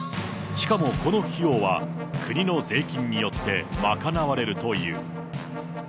しかもこの費用は、国の税金によって賄われるという。